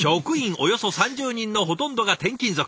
およそ３０人のほとんどが転勤族。